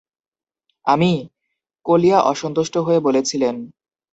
"আমি?", কলিয়া অসন্তুষ্ট হয়ে বলেছিলেন।